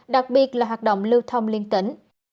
đặc biệt là hoạt động lưu thông liên tỉnh